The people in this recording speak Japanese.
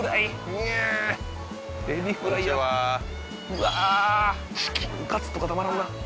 うわあチキンカツとかたまらんな